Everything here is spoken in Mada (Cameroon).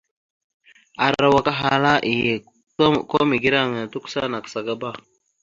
Arawak ahalkala iye kwa mege ireŋa tʉkəsaba ma nakəsakaba.